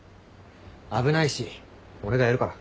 危ないし俺がやるから。